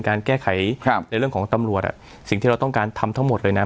การแก้ไขครับในเรื่องของตำรวจอ่ะสิ่งที่เราต้องการทำทั้งหมดเลยนะ